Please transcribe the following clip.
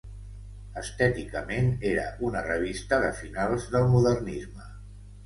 Estèticament, era una revista de finals del modernisme.